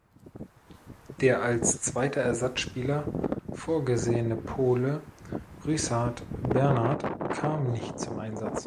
Der als zweiter Ersatzspieler vorgesehene Pole Ryszard Bernard kam nicht zum Einsatz.